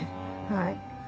はい。